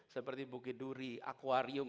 seperti bukiduri aquarium